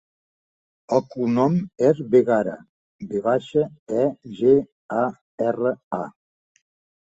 El cognom és Vegara: ve baixa, e, ge, a, erra, a.